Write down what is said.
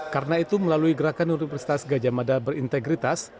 karena itu melalui gerakan universitas gajah mada berintegritas